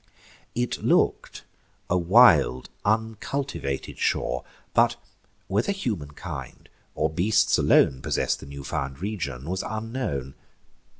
It look'd a wild uncultivated shore; But, whether humankind, or beasts alone Possess'd the new found region, was unknown.